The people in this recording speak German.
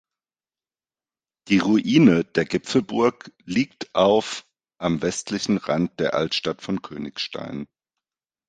Die Ruine der Gipfelburg liegt auf am westlichen Rand der Altstadt von Königstein.